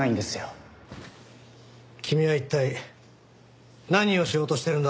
君は一体何をしようとしてるんだ？